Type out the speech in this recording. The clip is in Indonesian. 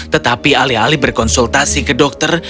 tetapi alih alih berkonsultasi ke dokter